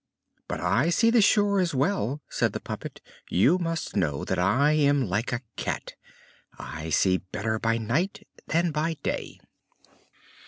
"But I see the shore as well," said the puppet. "You must know that I am like a cat: I see better by night than by day."